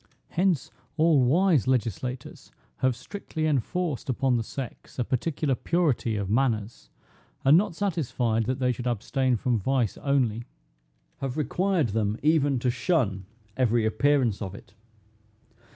Hence all wise legislators have strictly enforced upon the sex a particular purity of manners; and not satisfied that they should abstain from vice only, have required them even to shun every appearance of it.